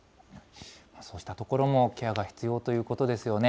そうしたところもケアが必要ということですよね。